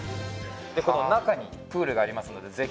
でこの中にプールがありますのでぜひ。